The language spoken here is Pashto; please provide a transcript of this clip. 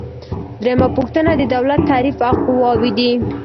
دریمه پوښتنه د دولت تعریف او قواوې دي.